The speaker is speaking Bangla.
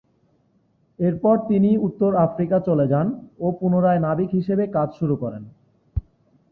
এরপর তিনি উত্তর আফ্রিকা চলে যান ও পুনরায় নাবিক হিসেবে কাজ শুরু করেন।